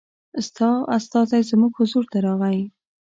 ستا استازی زموږ حضور ته راغی.